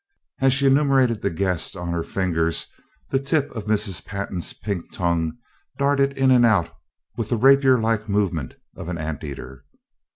As she enumerated the guests on her fingers the tip of Mrs. Pantin's pink tongue darted in and out with the rapierlike movement of an ant eater.